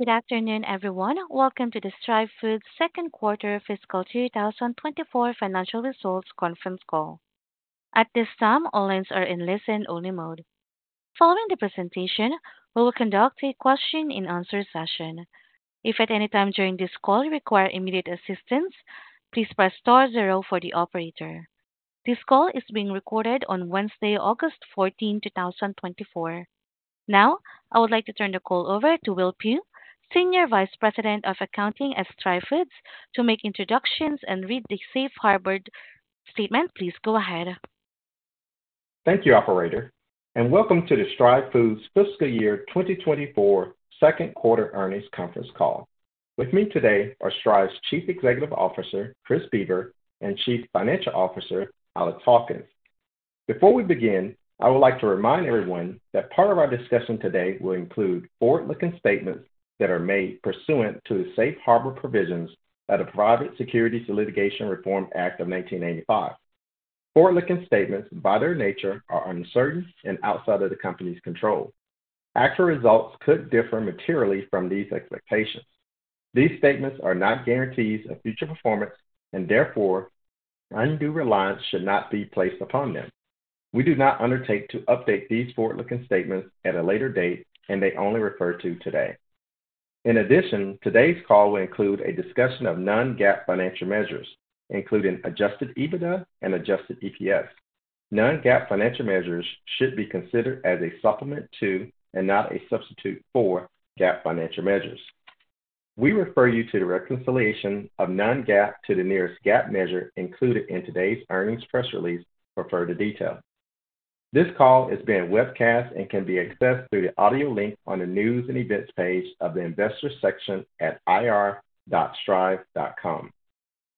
Good afternoon, everyone. Welcome to the Stryve Foods Q2 fiscal 2024 financial results conference call. At this time, all lines are in listen-only mode. Following the presentation, we will conduct a question-and-answer session. If at any time during this call you require immediate assistance, please press star zero for the operator. This call is being recorded on Wednesday, August 14, 2024. Now, I would like to turn the call over to Will Pugh, Senior Vice President of Accounting at Stryve Foods, to make introductions and read the safe harbor statement. Please go ahead. Thank you, operator, and welcome to the Stryve Foods Fiscal Year 2024 Q2 earnings conference call. With me today are Stryve's Chief Executive Officer, Chris Boever, and Chief Financial Officer, Alex Hawkins. Before we begin, I would like to remind everyone that part of our discussion today will include forward-looking statements that are made pursuant to the Safe Harbor provisions of the Private Securities Litigation Reform Act of 1995. Forward-looking statements, by their nature, are uncertain and outside of the company's control. Actual results could differ materially from these expectations. These statements are not guarantees of future performance and therefore, undue reliance should not be placed upon them. We do not undertake to update these forward-looking statements at a later date, and they only refer to today. In addition, today's call will include a discussion of non-GAAP financial measures, including adjusted EBITDA and adjusted EPS. Non-GAAP financial measures should be considered as a supplement to, and not a substitute for, GAAP financial measures. We refer you to the reconciliation of non-GAAP to the nearest GAAP measure included in today's earnings press release for further detail. This call is being webcast and can be accessed through the audio link on the News and Events page of the Investors section at ir.stryve.com.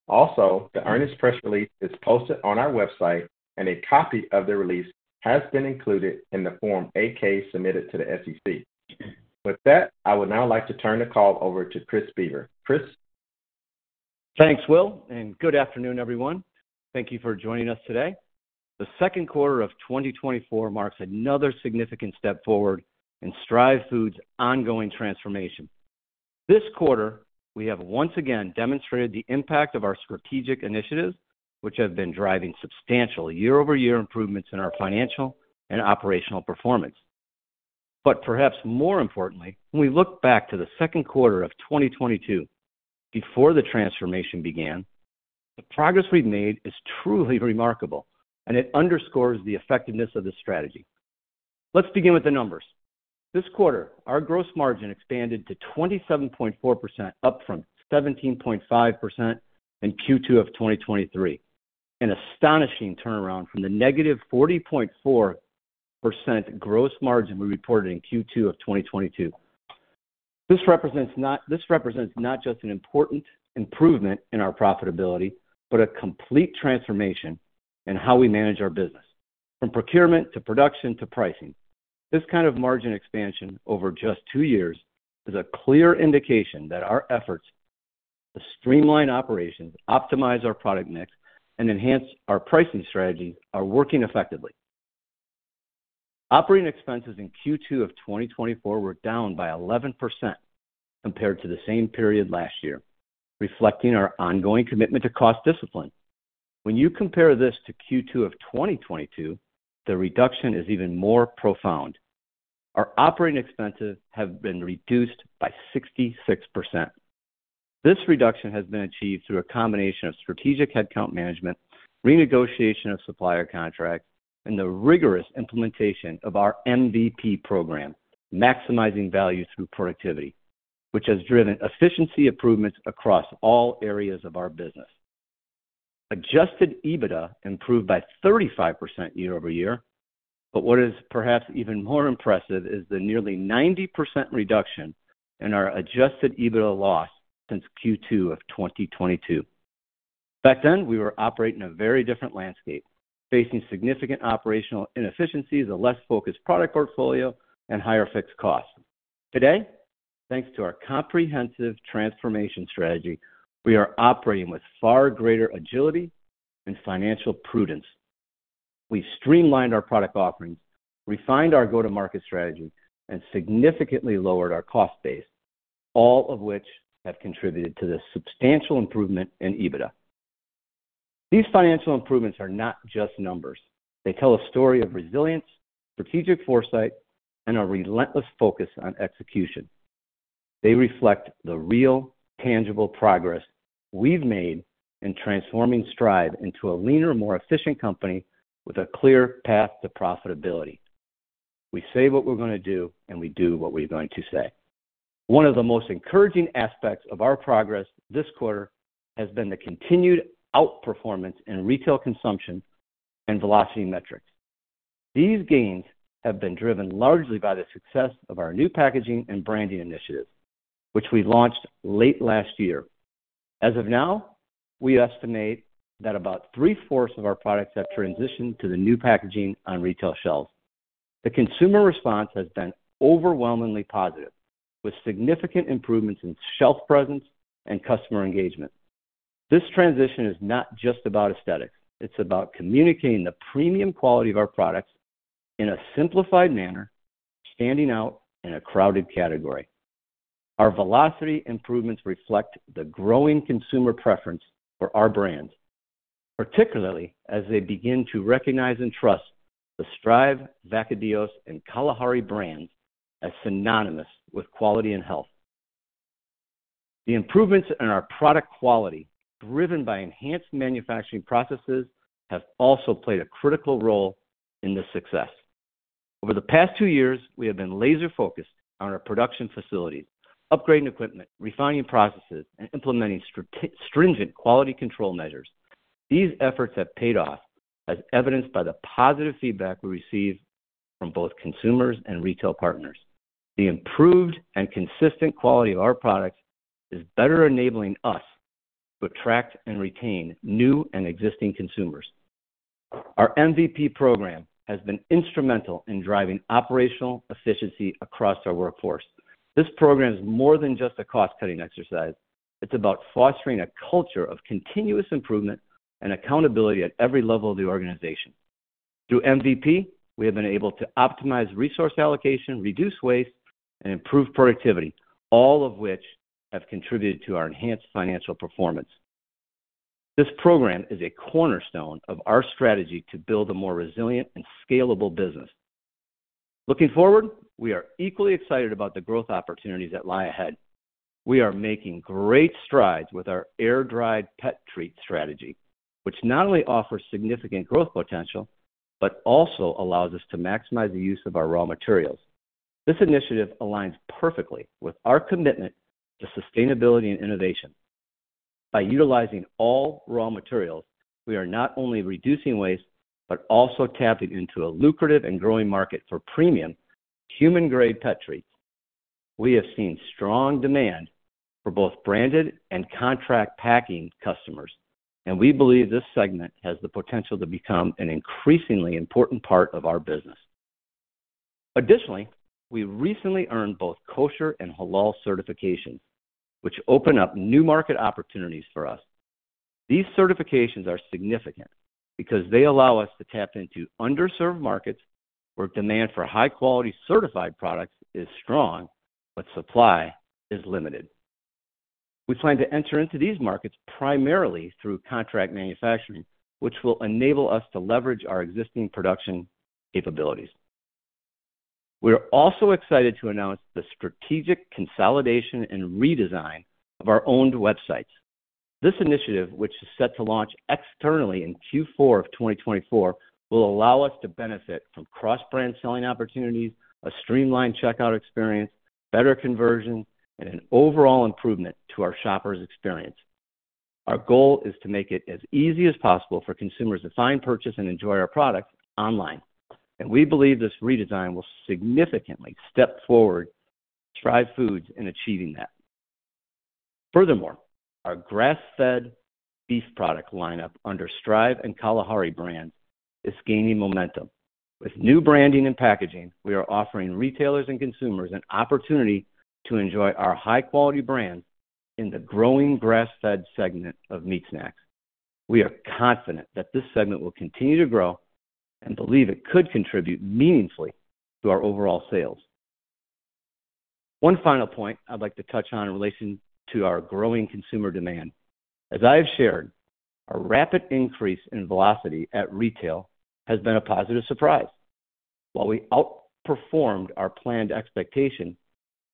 Also, the earnings press release is posted on our website, and a copy of the release has been included in the Form 8-K submitted to the SEC. With that, I would now like to turn the call over to Chris Boever. Chris? Thanks, Will, and good afternoon, everyone. Thank you for joining us today. The Q2 of 2024 marks another significant step forward in Stryve Foods' ongoing transformation. This quarter, we have once again demonstrated the impact of our strategic initiatives, which have been driving substantial year-over-year improvements in our financial and operational performance. But perhaps more importantly, when we look back to the Q2 of 2022, before the transformation began, the progress we've made is truly remarkable and it underscores the effectiveness of this strategy. Let's begin with the numbers. This quarter, our gross margin expanded to 27.4%, up from 17.5% in Q2 of 2023. An astonishing turnaround from the negative 40.4% gross margin we reported in Q2 of 2022. This represents not just an important improvement in our profitability, but a complete transformation in how we manage our business, from procurement to production to pricing. This kind of margin expansion over just two years is a clear indication that our efforts to streamline operations, optimize our product mix, and enhance our pricing strategy are working effectively. Operating expenses in Q2 of 2024 were down by 11% compared to the same period last year, reflecting our ongoing commitment to cost discipline. When you compare this to Q2 of 2022, the reduction is even more profound. Our operating expenses have been reduced by 66%. This reduction has been achieved through a combination of strategic headcount management, renegotiation of supplier contracts, and the rigorous implementation of our MVP program, Maximizing Value Through Productivity, which has driven efficiency improvements across all areas of our business. Adjusted EBITDA improved by 35% year-over-year, but what is perhaps even more impressive is the nearly 90% reduction in our adjusted EBITDA loss since Q2 of 2022. Back then, we were operating a very different landscape, facing significant operational inefficiencies, a less focused product portfolio, and higher fixed costs. Today, thanks to our comprehensive transformation strategy, we are operating with far greater agility and financial prudence. We streamlined our product offerings, refined our go-to-market strategy, and significantly lowered our cost base, all of which have contributed to this substantial improvement in EBITDA. These financial improvements are not just numbers. They tell a story of resilience, strategic foresight, and a relentless focus on execution. They reflect the real, tangible progress we've made in transforming Stryve into a leaner, more efficient company with a clear path to profitability. We say what we're going to do, and we do what we're going to say. One of the most encouraging aspects of our progress this quarter has been the continued outperformance in retail consumption and velocity metrics. These gains have been driven largely by the success of our new packaging and branding initiatives, which we launched late last year. As of now, we estimate that about three-fourths of our products have transitioned to the new packaging on retail shelves. The consumer response has been overwhelmingly positive, with significant improvements in shelf presence and customer engagement... This transition is not just about aesthetics, it's about communicating the premium quality of our products in a simplified manner, standing out in a crowded category. Our velocity improvements reflect the growing consumer preference for our brands, particularly as they begin to recognize and trust the Stryve, Vacadillos, and Kalahari brands as synonymous with quality and health. The improvements in our product quality, driven by enhanced manufacturing processes, have also played a critical role in this success. Over the past two years, we have been laser-focused on our production facilities, upgrading equipment, refining processes, and implementing stringent quality control measures. These efforts have paid off, as evidenced by the positive feedback we receive from both consumers and retail partners. The improved and consistent quality of our products is better enabling us to attract and retain new and existing consumers. Our MVP program has been instrumental in driving operational efficiency across our workforce. This program is more than just a cost-cutting exercise. It's about fostering a culture of continuous improvement and accountability at every level of the organization. Through MVP, we have been able to optimize resource allocation, reduce waste, and improve productivity, all of which have contributed to our enhanced financial performance. This program is a cornerstone of our strategy to build a more resilient and scalable business. Looking forward, we are equally excited about the growth opportunities that lie ahead. We are making great strides with our air-dried pet treat strategy, which not only offers significant growth potential, but also allows us to maximize the use of our raw materials. This initiative aligns perfectly with our commitment to sustainability and innovation. By utilizing all raw materials, we are not only reducing waste, but also tapping into a lucrative and growing market for premium human-grade pet treats. We have seen strong demand for both branded and contract packing customers, and we believe this segment has the potential to become an increasingly important part of our business. Additionally, we recently earned both Kosher and Halal certifications, which open up new market opportunities for us. These certifications are significant because they allow us to tap into underserved markets where demand for high-quality certified products is strong, but supply is limited. We plan to enter into these markets primarily through contract manufacturing, which will enable us to leverage our existing production capabilities. We're also excited to announce the strategic consolidation and redesign of our owned websites. This initiative, which is set to launch externally in Q4 of 2024, will allow us to benefit from cross-brand selling opportunities, a streamlined checkout experience, better conversion, and an overall improvement to our shoppers' experience. Our goal is to make it as easy as possible for consumers to find, purchase, and enjoy our products online, and we believe this redesign will significantly step forward Stryve Foods in achieving that. Furthermore, our grass-fed beef product lineup under Stryve and Kalahari brands is gaining momentum. With new branding and packaging, we are offering retailers and consumers an opportunity to enjoy our high-quality brands in the growing grass-fed segment of meat snacks. We are confident that this segment will continue to grow and believe it could contribute meaningfully to our overall sales. One final point I'd like to touch on in relation to our growing consumer demand. As I have shared, a rapid increase in velocity at retail has been a positive surprise. While we outperformed our planned expectation,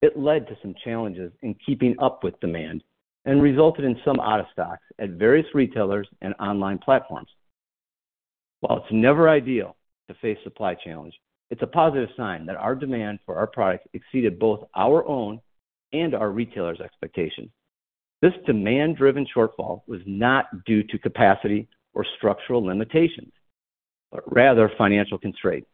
it led to some challenges in keeping up with demand and resulted in some out-of-stocks at various retailers and online platforms. While it's never ideal to face supply challenge, it's a positive sign that our demand for our products exceeded both our own and our retailers' expectations. This demand-driven shortfall was not due to capacity or structural limitations, but rather financial constraints,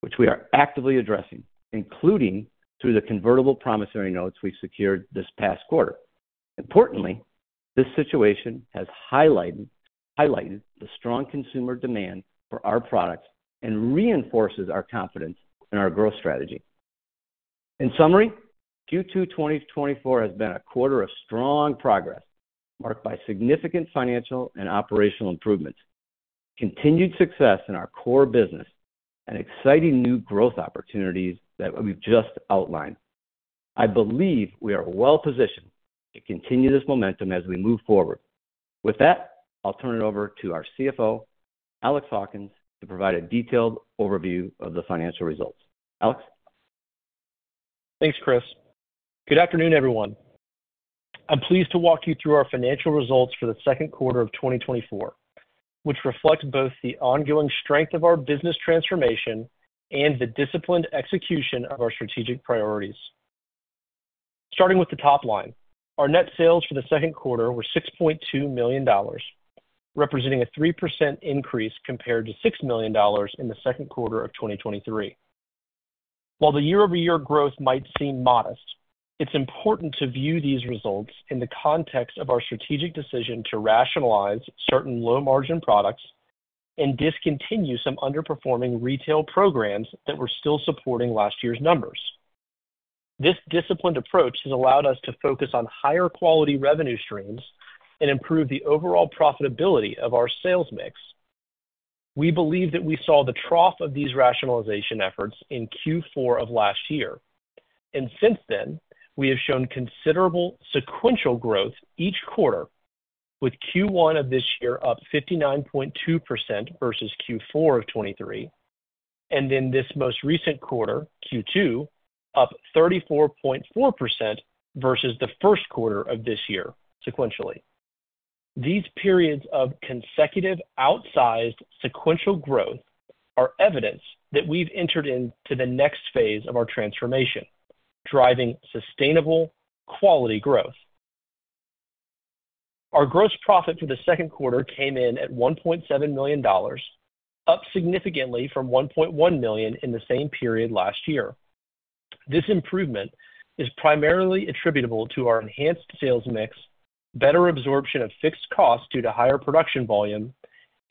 which we are actively addressing, including through the convertible promissory notes we've secured this past quarter. Importantly, this situation has highlighted the strong consumer demand for our products and reinforces our confidence in our growth strategy. In summary, Q2 2024 has been a quarter of strong progress, marked by significant financial and operational improvements, continued success in our core business, and exciting new growth opportunities that we've just outlined. I believe we are well positioned to continue this momentum as we move forward. With that, I'll turn it over to our CFO, Alex Hawkins, to provide a detailed overview of the financial results. Alex? Thanks, Chris. Good afternoon, everyone. I'm pleased to walk you through our financial results for the Q2 of 2024, which reflect both the ongoing strength of our business transformation and the disciplined execution of our strategic priorities. Starting with the top line, our net sales for the Q2 were $6.2 million, representing a 3% increase compared to $6 million in the Q2 of 2023. While the year-over-year growth might seem modest, it's important to view these results in the context of our strategic decision to rationalize certain low-margin products and discontinue some underperforming retail programs that were still supporting last year's numbers.... This disciplined approach has allowed us to focus on higher quality revenue streams and improve the overall profitability of our sales mix. We believe that we saw the trough of these rationalization efforts in Q4 of last year, and since then, we have shown considerable sequential growth each quarter, with Q1 of this year up 59.2% versus Q4 of 2023, and then this most recent quarter, Q2, up 34.4% versus the Q1 of this year sequentially. These periods of consecutive outsized sequential growth are evidence that we've entered into the next phase of our transformation, driving sustainable quality growth. Our gross profit for the Q2 came in at $1.7 million, up significantly from $1.1 million in the same period last year. This improvement is primarily attributable to our enhanced sales mix, better absorption of fixed costs due to higher production volume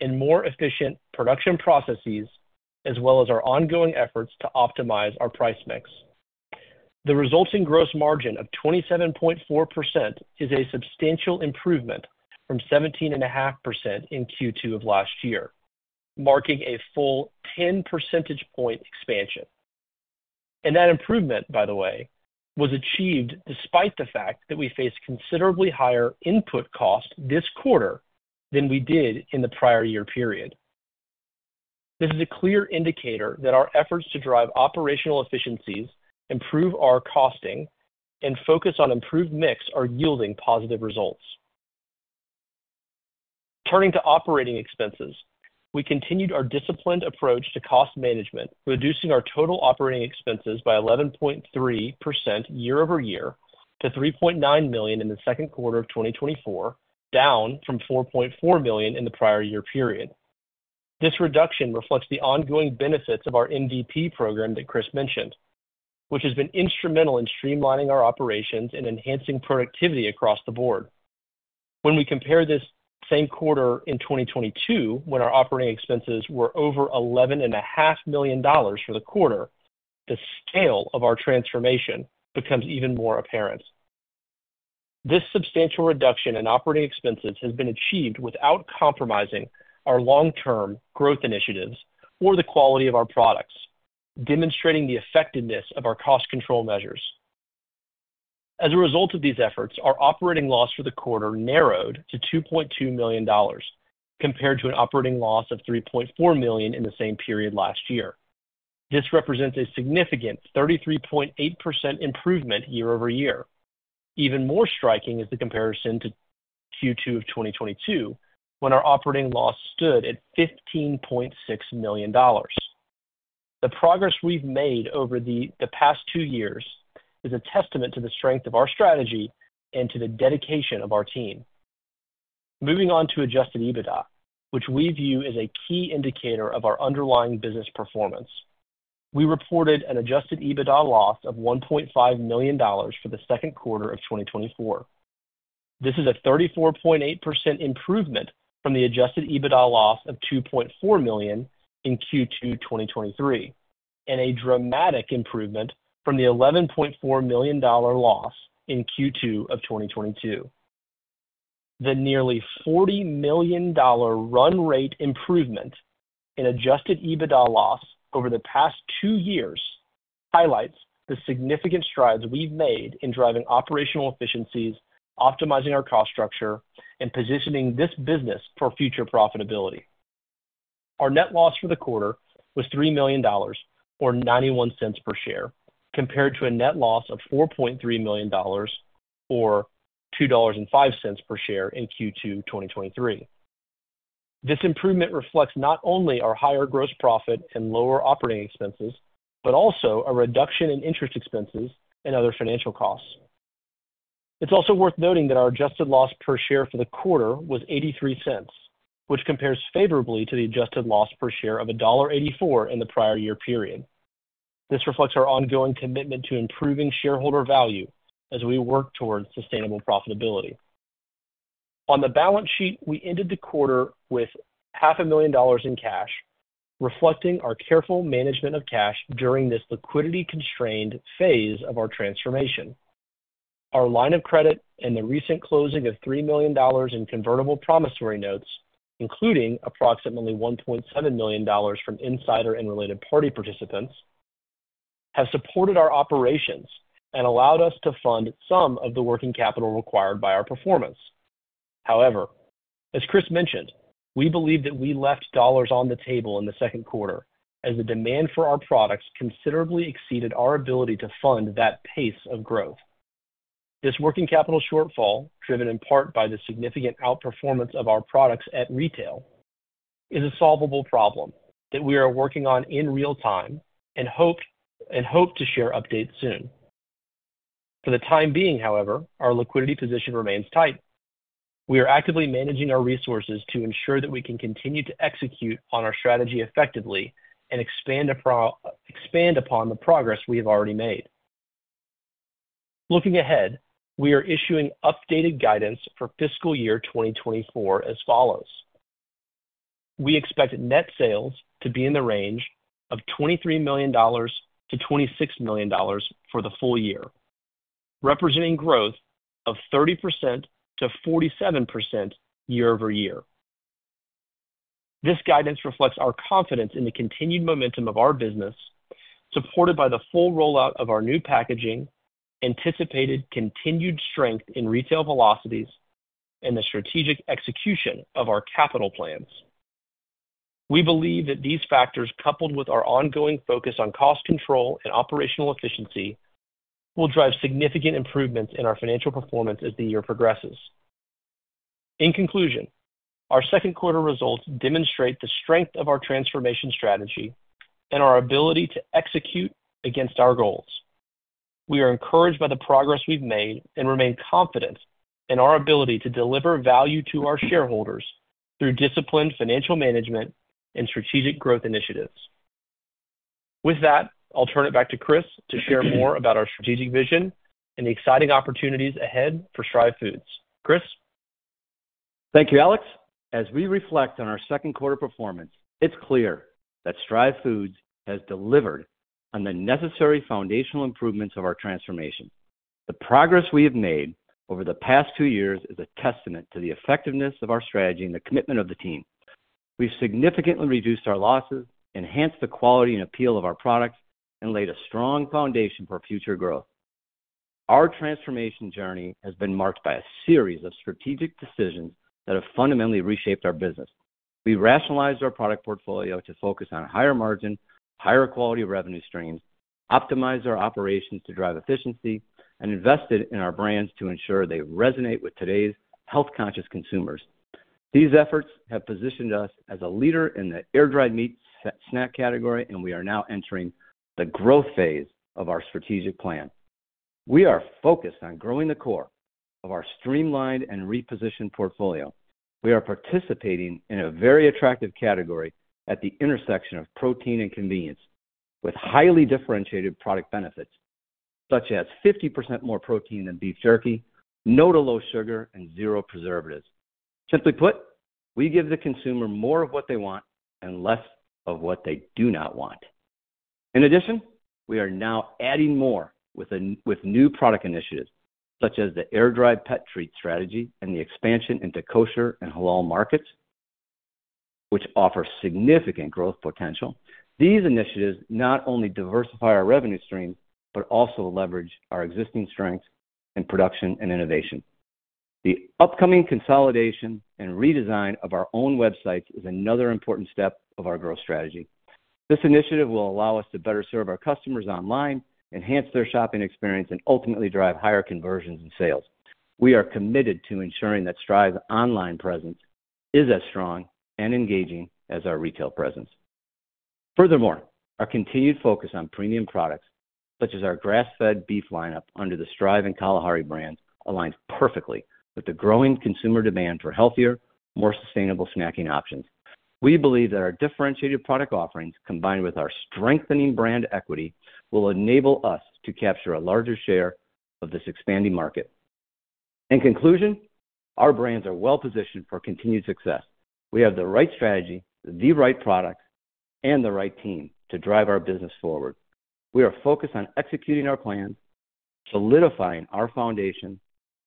and more efficient production processes, as well as our ongoing efforts to optimize our price mix. The resulting gross margin of 27.4% is a substantial improvement from 17.5% in Q2 of last year, marking a full 10 percentage point expansion. And that improvement, by the way, was achieved despite the fact that we faced considerably higher input costs this quarter than we did in the prior year period. This is a clear indicator that our efforts to drive operational efficiencies, improve our costing, and focus on improved mix are yielding positive results. Turning to operating expenses, we continued our disciplined approach to cost management, reducing our total operating expenses by 11.3% year-over-year to $3.9 million in the Q2 of 2024, down from $4.4 million in the prior year period. This reduction reflects the ongoing benefits of our MVP program that Chris mentioned, which has been instrumental in streamlining our operations and enhancing productivity across the board. When we compare this same quarter in 2022, when our operating expenses were over $11.5 million for the quarter, the scale of our transformation becomes even more apparent. This substantial reduction in operating expenses has been achieved without compromising our long-term growth initiatives or the quality of our products, demonstrating the effectiveness of our cost control measures. As a result of these efforts, our operating loss for the quarter narrowed to $2.2 million, compared to an operating loss of $3.4 million in the same period last year. This represents a significant 33.8% improvement year-over-year. Even more striking is the comparison to Q2 of 2022, when our operating loss stood at $15.6 million. The progress we've made over the past two years is a testament to the strength of our strategy and to the dedication of our team. Moving on to adjusted EBITDA, which we view as a key indicator of our underlying business performance. We reported an adjusted EBITDA loss of $1.5 million for the Q2 of 2024. This is a 34.8% improvement from the adjusted EBITDA loss of $2.4 million in Q2 2023, and a dramatic improvement from the $11.4 million loss in Q2 of 2022. The nearly $40 million run rate improvement in adjusted EBITDA loss over the past 2 years highlights the significant strides we've made in driving operational efficiencies, optimizing our cost structure, and positioning this business for future profitability. Our net loss for the quarter was $3 million, or $0.91 per share, compared to a net loss of $4.3 million, or $2.05 per share in Q2 2023. This improvement reflects not only our higher gross profit and lower operating expenses, but also a reduction in interest expenses and other financial costs. It's also worth noting that our adjusted loss per share for the quarter was $0.83, which compares favorably to the adjusted loss per share of $1.84 in the prior year period. This reflects our ongoing commitment to improving shareholder value as we work towards sustainable profitability. On the balance sheet, we ended the quarter with $500,000 in cash, reflecting our careful management of cash during this liquidity-constrained phase of our transformation. Our line of credit and the recent closing of $3 million in convertible promissory notes, including approximately $1.7 million from insider and related party participants, have supported our operations and allowed us to fund some of the working capital required by our performance. However, as Chris mentioned, we believe that we left dollars on the table in the Q2 as the demand for our products considerably exceeded our ability to fund that pace of growth. This working capital shortfall, driven in part by the significant outperformance of our products at retail, is a solvable problem that we are working on in real time and hope, and hope to share updates soon. For the time being, however, our liquidity position remains tight. We are actively managing our resources to ensure that we can continue to execute on our strategy effectively and expand upon the progress we have already made. Looking ahead, we are issuing updated guidance for fiscal year 2024 as follows: We expect net sales to be in the range of $23 million-$26 million for the full year, representing growth of 30%-47% year-over-year. This guidance reflects our confidence in the continued momentum of our business, supported by the full rollout of our new packaging, anticipated continued strength in retail velocities, and the strategic execution of our capital plans. We believe that these factors, coupled with our ongoing focus on cost control and operational efficiency, will drive significant improvements in our financial performance as the year progresses. In conclusion, our Q2 results demonstrate the strength of our transformation strategy and our ability to execute against our goals. We are encouraged by the progress we've made and remain confident in our ability to deliver value to our shareholders through disciplined financial management and strategic growth initiatives. With that, I'll turn it back to Chris to share more about our strategic vision and the exciting opportunities ahead for Stryve Foods. Chris? Thank you, Alex. As we reflect on our Q2 performance, it's clear that Stryve Foods has delivered on the necessary foundational improvements of our transformation. The progress we have made over the past two years is a testament to the effectiveness of our strategy and the commitment of the team. We've significantly reduced our losses, enhanced the quality and appeal of our products, and laid a strong foundation for future growth. Our transformation journey has been marked by a series of strategic decisions that have fundamentally reshaped our business. We've rationalized our product portfolio to focus on higher margin, higher quality revenue streams, optimized our operations to drive efficiency, and invested in our brands to ensure they resonate with today's health-conscious consumers. These efforts have positioned us as a leader in the air-dried meat snack category, and we are now entering the growth phase of our strategic plan. We are focused on growing the core of our streamlined and repositioned portfolio. We are participating in a very attractive category at the intersection of protein and convenience, with highly differentiated product benefits, such as 50% more protein than beef jerky, no to low sugar, and zero preservatives. Simply put, we give the consumer more of what they want and less of what they do not want. In addition, we are now adding more with new product initiatives such as the air-dried pet treat strategy and the expansion into Kosher and Halal markets, which offer significant growth potential. These initiatives not only diversify our revenue streams, but also leverage our existing strengths in production and innovation. The upcoming consolidation and redesign of our own websites is another important step of our growth strategy. This initiative will allow us to better serve our customers online, enhance their shopping experience, and ultimately drive higher conversions and sales. We are committed to ensuring that Stryve's online presence is as strong and engaging as our retail presence. Furthermore, our continued focus on premium products, such as our grass-fed beef lineup under the Stryve and Kalahari brands, aligns perfectly with the growing consumer demand for healthier, more sustainable snacking options. We believe that our differentiated product offerings, combined with our strengthening brand equity, will enable us to capture a larger share of this expanding market. In conclusion, our brands are well positioned for continued success. We have the right strategy, the right product, and the right team to drive our business forward. We are focused on executing our plan, solidifying our foundation,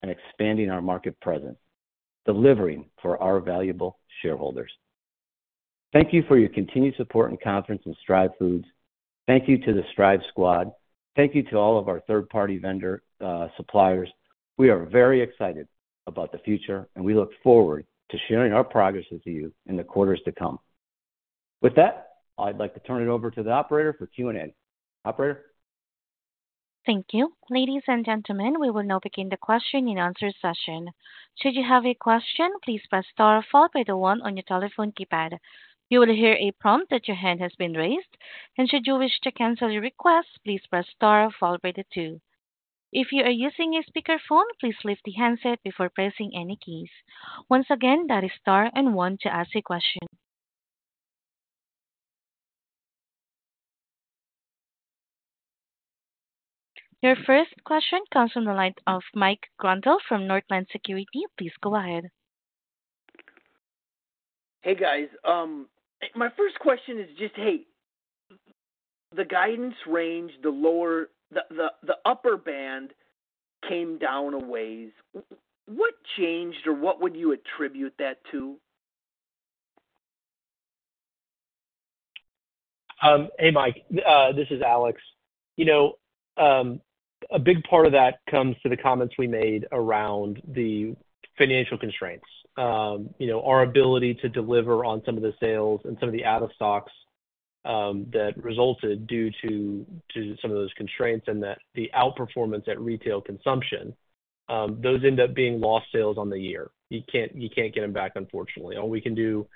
and expanding our market presence, delivering for our valuable shareholders. Thank you for your continued support and confidence in Stryve Foods. Thank you to the Stryve Squad. Thank you to all of our third-party vendor suppliers. We are very excited about the future, and we look forward to sharing our progress with you in the quarters to come. With that, I'd like to turn it over to the operator for Q&A. Operator? Thank you. Ladies and gentlemen, we will now begin the question and answer session. Should you have a question, please press star followed by the one on your telephone keypad. You will hear a prompt that your hand has been raised, and should you wish to cancel your request, please press star followed by the two. If you are using a speakerphone, please lift the handset before pressing any keys. Once again, that is star and one to ask a question. Your first question comes from the line of Mike Grondahl from Northland Securities. Please go ahead. Hey, guys. My first question is just, hey, the guidance range, the lower, the upper band came down a ways. What changed, or what would you attribute that to? Hey, Mike, this is Alex. You know, a big part of that comes to the comments we made around the financial constraints. You know, our ability to deliver on some of the sales and some of the out-of-stocks that resulted due to some of those constraints and that the outperformance at retail consumption, those end up being lost sales on the year. You can't, you can't get them back unfortunately. All we can do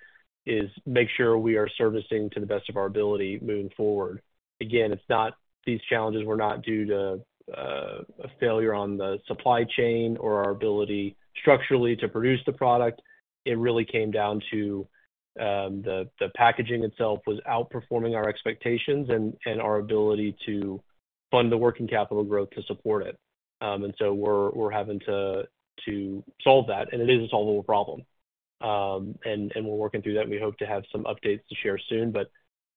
is make sure we are servicing to the best of our ability moving forward. Again, it's not, these challenges were not due to a failure on the supply chain or our ability structurally to produce the product. It really came down to the packaging itself was outperforming our expectations and our ability to fund the working capital growth to support it. And so we're having to solve that, and it is a solvable problem. And we're working through that, and we hope to have some updates to share soon. But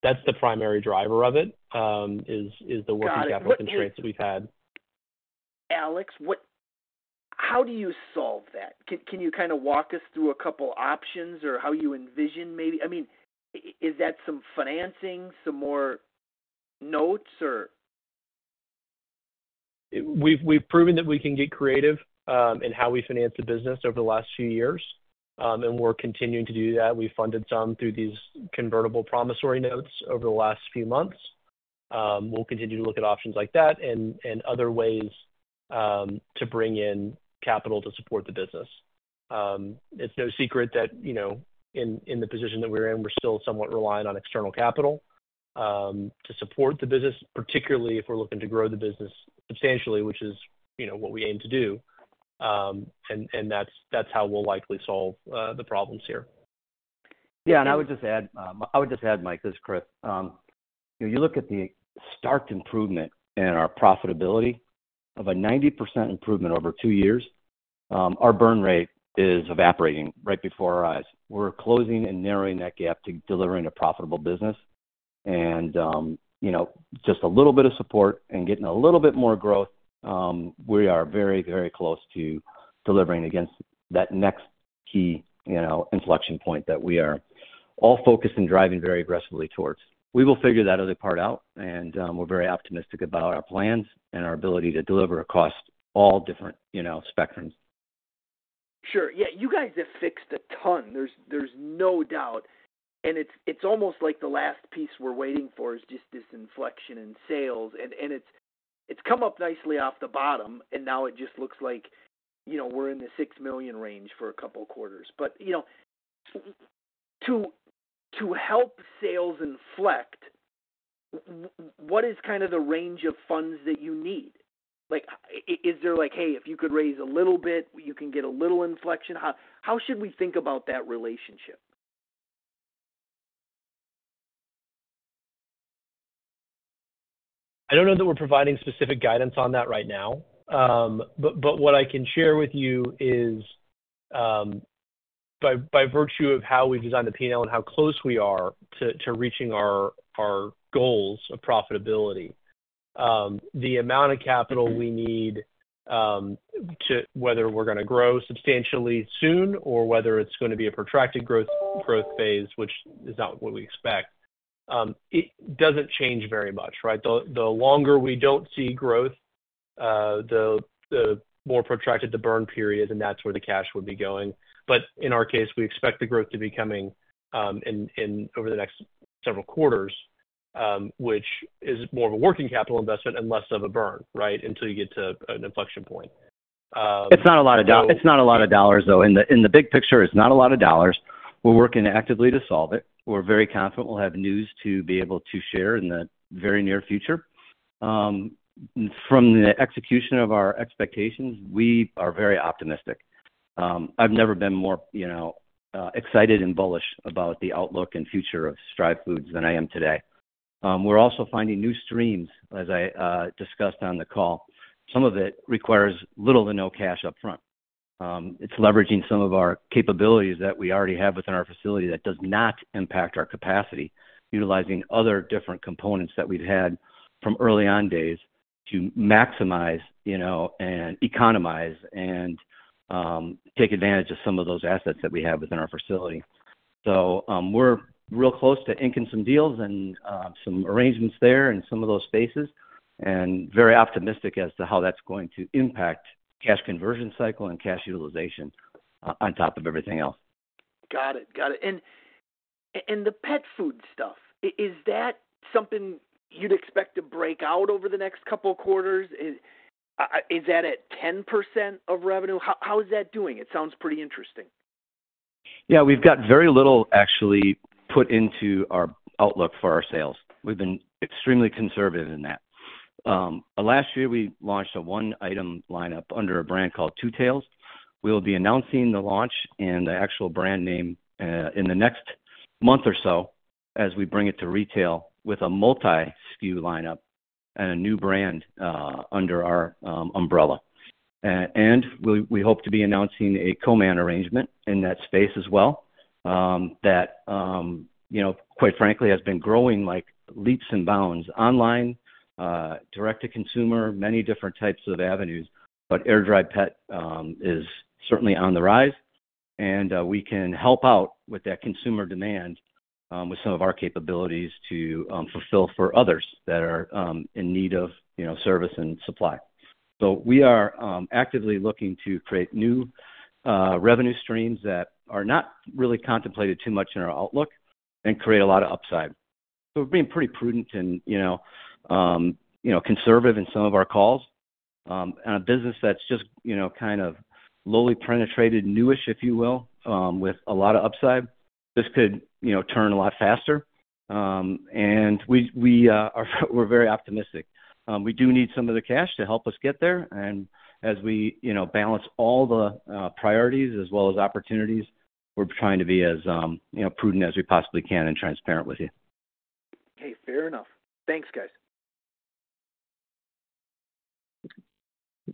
that's the primary driver of it, is the working capital constraints that we've had. Alex, how do you solve that? Can you kinda walk us through a couple options or how you envision maybe... I mean, is that some financing, some more notes or? We've proven that we can get creative in how we finance the business over the last few years. And we're continuing to do that. We've funded some through these Convertible Promissory Notes over the last few months. We'll continue to look at options like that and other ways to bring in capital to support the business. It's no secret that, you know, in the position that we're in, we're still somewhat reliant on external capital to support the business, particularly if we're looking to grow the business substantially, which is, you know, what we aim to do. And that's how we'll likely solve the problems here. Yeah, and I would just add, I would just add, Mike, this is Chris. If you look at the stark improvement in our profitability of a 90% improvement over two years, our burn rate is evaporating right before our eyes. We're closing and narrowing that gap to delivering a profitable business, and, you know, just a little bit of support and getting a little bit more growth, we are very, very close to delivering against that next key, you know, inflection point that we are all focused and driving very aggressively towards. We will figure that other part out, and, we're very optimistic about our plans and our ability to deliver across all different, you know, spectrums. Sure. Yeah, you guys have fixed a ton. There's no doubt, and it's almost like the last piece we're waiting for is just this inflection in sales, and it's come up nicely off the bottom, and now it just looks like, you know, we're in the $6 million range for a couple quarters. But, you know, to help sales inflect, what is kind of the range of funds that you need? Like, is there like, hey, if you could raise a little bit, you can get a little inflection. How should we think about that relationship? I don't know that we're providing specific guidance on that right now. But what I can share with you is, by virtue of how we've designed the P&L and how close we are to reaching our goals of profitability, the amount of capital we need to... Whether we're gonna grow substantially soon or whether it's gonna be a protracted growth phase, which is not what we expect, it doesn't change very much, right? The longer we don't see growth, the more protracted the burn period, and that's where the cash would be going. But in our case, we expect the growth to be coming in over the next several quarters, which is more of a working capital investment and less of a burn, right? Until you get to an inflection point. So- It's not a lot of dollars, though. In the big picture, it's not a lot of dollars. We're working actively to solve it. We're very confident we'll have news to be able to share in the very near future. From the execution of our expectations, we are very optimistic. I've never been more, you know, excited and bullish about the outlook and future of Stryve Foods than I am today. We're also finding new streams, as I discussed on the call. Some of it requires little to no cash upfront. It's leveraging some of our capabilities that we already have within our facility that does not impact our capacity, utilizing other different components that we've had from early on days to maximize, you know, and economize and, take advantage of some of those assets that we have within our facility. So, we're real close to inking some deals and, some arrangements there in some of those spaces, and very optimistic as to how that's going to impact cash conversion cycle and cash utilization on top of everything else. Got it. Got it. And the pet food stuff, is that something you'd expect to break out over the next couple of quarters? Is, is that at 10% of revenue? How is that doing? It sounds pretty interesting. Yeah, we've got very little actually put into our outlook for our sales. We've been extremely conservative in that. Last year, we launched a one-item lineup under a brand called Two Tails. We'll be announcing the launch and the actual brand name in the next month or so as we bring it to retail with a multi-SKU lineup and a new brand under our umbrella. We hope to be announcing a co-man arrangement in that space as well, that you know, quite frankly, has been growing like leaps and bounds online, direct to consumer, many different types of avenues. But air-dried pet is certainly on the rise, and we can help out with that consumer demand with some of our capabilities to fulfill for others that are in need of you know, service and supply. So we are actively looking to create new revenue streams that are not really contemplated too much in our outlook and create a lot of upside. So we're being pretty prudent and, you know, you know, conservative in some of our calls on a business that's just, you know, kind of lowly penetrated, newish, if you will, with a lot of upside. This could, you know, turn a lot faster. And we're very optimistic. We do need some of the cash to help us get there, and as we, you know, balance all the priorities as well as opportunities, we're trying to be as, you know, prudent as we possibly can and transparent with you. Okay, fair enough. Thanks, guys.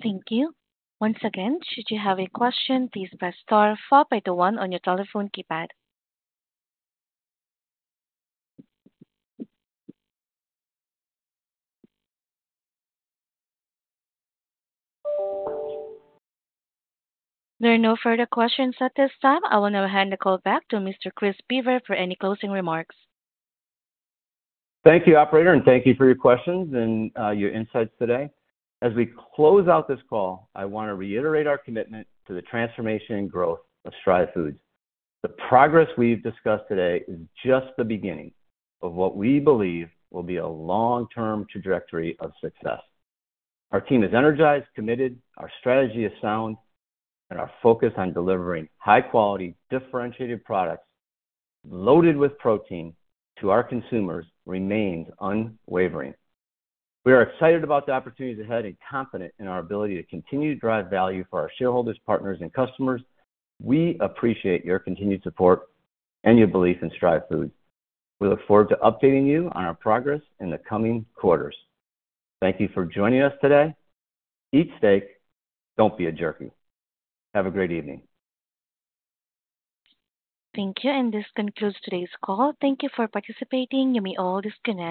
Thank you. Once again, should you have a question, please press star followed by one on your telephone keypad. There are no further questions at this time. I will now hand the call back to Mr. Chris Boever for any closing remarks. Thank you, operator, and thank you for your questions and your insights today. As we close out this call, I want to reiterate our commitment to the transformation and growth of Stryve Foods. The progress we've discussed today is just the beginning of what we believe will be a long-term trajectory of success. Our team is energized, committed, our strategy is sound, and our focus on delivering high-quality, differentiated products loaded with protein to our consumers remains unwavering. We are excited about the opportunities ahead and confident in our ability to continue to drive value for our shareholders, partners, and customers. We appreciate your continued support and your belief in Stryve Foods. We look forward to updating you on our progress in the coming quarters. Thank you for joining us today. Eat steak, don't be a jerky. Have a great evening. Thank you, and this concludes today's call. Thank you for participating. You may all disconnect.